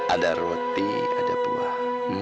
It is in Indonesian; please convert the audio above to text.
ada roti ada buah